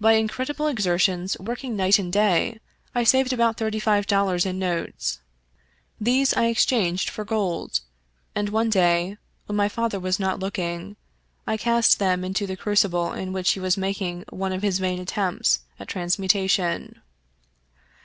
By incredible exertions, working night and day, I saved about thirty five dollars in notes. These I exchanged for gold, and one day, when my father was not looking, I cast them into the crucible in which he was making one of his vain attempts at transmu tation.